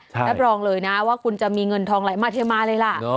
รับรองเลยนะว่าคุณจะมีเงินทองไหลมาเทมาเลยล่ะ